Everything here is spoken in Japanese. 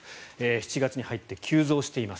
７月に入って急増しています。